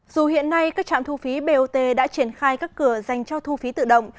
dù hiện nay các trạm thu phí bot đã triển khai các cửa dành cho thu phí tự động